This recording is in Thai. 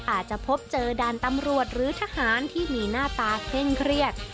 อาจจะพบเจอด่านตำรวจหรือทหารที่มีหน้าตาเคร่งเครียด